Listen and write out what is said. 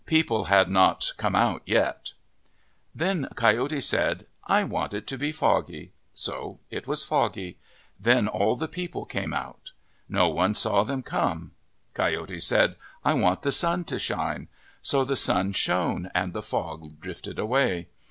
People had not "come out" yet. " Then Coyote said, * I want it to be foggy.' So it was foggy. Then all the people came out. No one saw them come. Coyote said, ' I want the sun to shine.' So the sun shone and the fog drifted away.